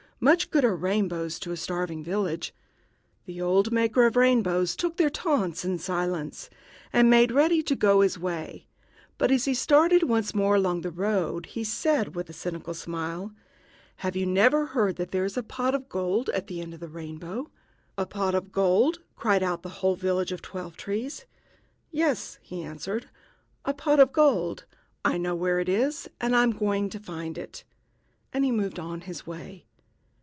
Much good are rainbows to a starving village." The old maker of rainbows took their taunts in silence, and made ready to go his way; but as he started once more along the road he said, with a cynical smile: "Have you never heard that there is a pot of gold at the end of the rainbow?..." "A pot of gold?" cried out the whole village of Twelve trees. "Yes," he answered, "a pot of gold! I know where it is, and I am going to find it." And he moved on his way.